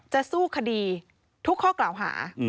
จะสู้คดีทุกข้อกล่าวหา